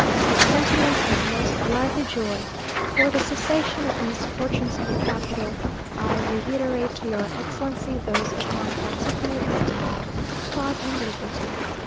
"With sentiments of the most lively joy for the cessation of the misfortunes of the capital, I reiterate to your Excellency those of my particular esteem. "God and Liberty.